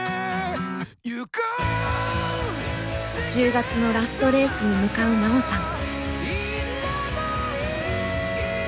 １０月のラストレースに向かう奈緒さん。